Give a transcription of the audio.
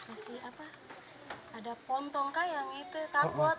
ada pontong kak yang takut